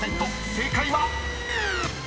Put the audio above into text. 正解は⁉］